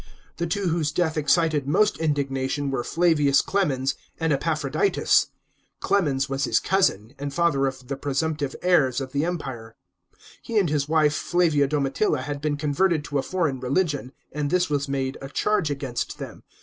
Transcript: The two whose death excited most indignation were Flavius Clemens and Epaphroditus. Clemens was his cousin, and father of the presumptive heirs of the Empire. He and his wife Flavia Domitilla had been converted to a foreign religion, and this was made a charge against them.